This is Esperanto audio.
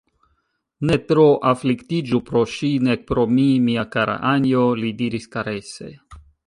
Ne tro afliktiĝu pro ŝi, nek pro mi, mia kara Anjo, li diris karese.